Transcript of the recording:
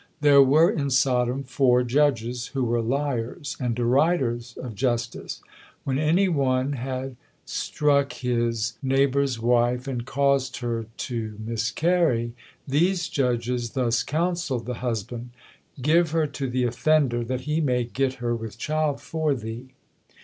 There were in Sodom four judges, who were liars, and deriders of justice. When any one had struck his neighbour's wife, and caused her to miscarry, these judges thus counselled the husband: "Give her to the offender, that he may get her with child for thee."